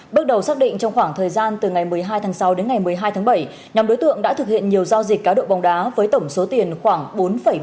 bước đầu xác định trong khoảng thời gian từ ngày một mươi hai tháng sáu đến ngày một mươi hai tháng bảy nhóm đối tượng đã thực hiện nhiều giao dịch cá độ bóng đá với tổng số tiền khoảng bốn ba mươi